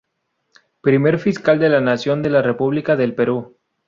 Primer Fiscal de la Nación de la República del Perú.